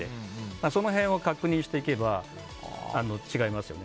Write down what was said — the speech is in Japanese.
その辺を確認していけば違いますよね。